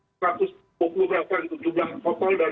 maka lalu berjumlah satu ratus lima puluh berapa itu jumlah total dari